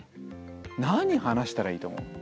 何話したらいいと思う？